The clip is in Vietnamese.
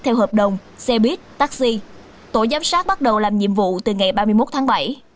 theo hợp đồng xe buýt taxi tổ giám sát bắt đầu làm nhiệm vụ từ ngày ba mươi một tháng bảy